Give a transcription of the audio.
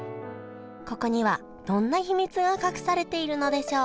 ここにはどんな秘密が隠されているのでしょう？